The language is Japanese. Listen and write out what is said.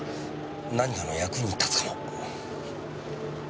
何かの役に立つかも。